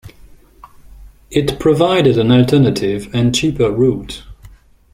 It provided an alternative and cheaper route.